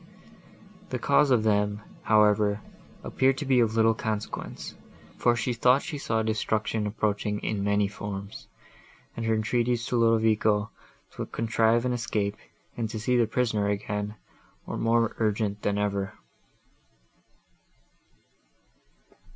The cause of them, however, appeared to be of little consequence, for she thought she saw destruction approaching in many forms, and her entreaties to Ludovico to contrive an escape and to see the prisoner again, were more urgent than ever.